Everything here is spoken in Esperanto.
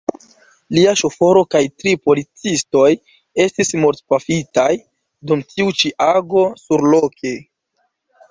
Lia ŝoforo kaj tri policistoj estis mortpafitaj dum tiu ĉi ago surloke.